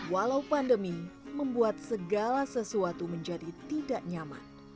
walau pandemi membuat segala sesuatu menjadi tidak nyaman